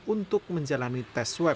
untuk menjalani tes web